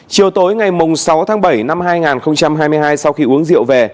chiều tối ngày sáu tháng bảy năm hai nghìn hai mươi hai sau khi uống rượu về